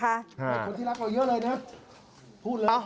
คนที่รักเราเยอะเลยนะ